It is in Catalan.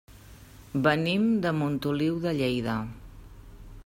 Venim de Montoliu de Lleida.